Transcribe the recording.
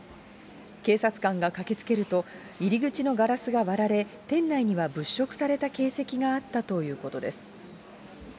警察官が駆けつけると、入り口のガラスが割られ、店内には物色された形跡があったということです。